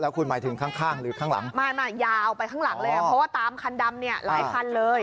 คุณหมายถึงข้างหรือข้างหลังไม่ยาวไปข้างหลังเลยเพราะว่าตามคันดำเนี่ยหลายคันเลย